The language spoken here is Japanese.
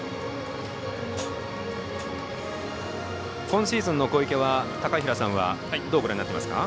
今シーズンの小池はどうご覧になっていますか？